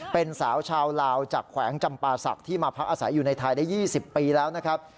เป็นสาวชาวลาวจากแขวงจำปาศักดิ์ที่มาพักอาศัยอยู่ในไทยได้๒๐ปีแล้วนะครับ